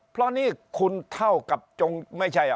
เพราะนี่คุณเท่ากับจงไม่ใช่